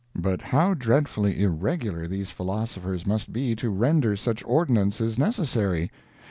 But how dreadfully irregular these philosophers must be to render such ordinances necessary.